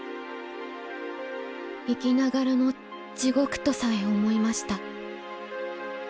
「生きながらの地ごくとさえ思いました」。